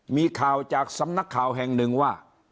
มีข่าวจากสำนักข่าวแห่งหนึ่งว่า